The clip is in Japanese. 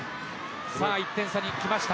１点差にきました。